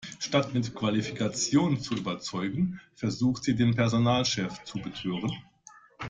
Statt mit Qualifikation zu überzeugen, versucht sie, den Personalchef zu betören.